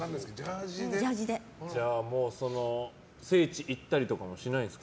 じゃあ、もう聖地行ったりとかはしないんですか？